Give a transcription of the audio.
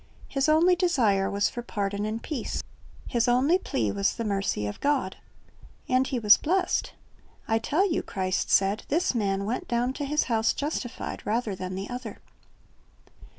His only desire was for pardon and peace, his only plea was the mercy of God. And he was blessed. "I tell you," Christ said, "this man went down to his house justified rather than the other."